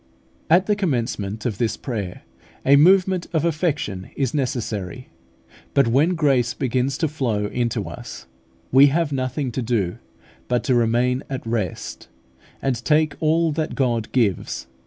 At the commencement of this prayer, a movement of affection is necessary; but when grace begins to flow into us, we have nothing to do but to remain at rest, and take all that God gives.